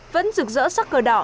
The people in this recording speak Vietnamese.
vẫn rực rỡ sắc cờ đỏ